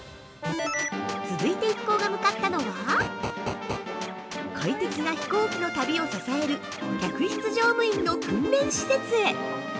続いて、一行が向かったのは快適な飛行機の旅を支える客室乗務員の訓練施設へ。